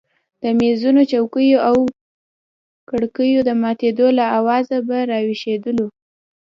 د مېزونو چوکیو او کپړیو د ماتېدو له آوازه به راویښېدلو.